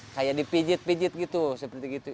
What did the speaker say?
kayak dipijit pijit gitu seperti gitu